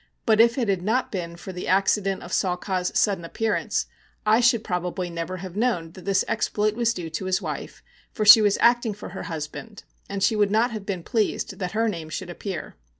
But if it had not been for the accident of Saw Ka's sudden appearance, I should probably never have known that this exploit was due to his wife; for she was acting for her husband, and she would not have been pleased that her name should appear.